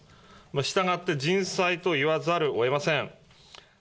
したがって人災と言わざるをえません。